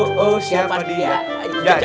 oh oh siapa dia